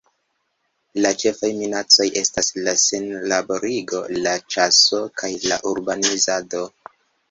La ĉefaj minacoj estas la senarbarigo, la ĉaso kaj la urbanizado.